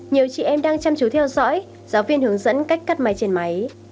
nhiều chị em đang chăm chú theo dõi giáo viên hướng dẫn cách cắt máy trên máy